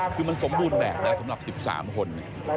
คือมันสมบูรณ์แบบแล้วสำหรับ๑๓คน